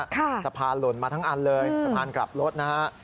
สะพานหล่นมาทั้งอันเลยสะพานกลับรถนะฮะ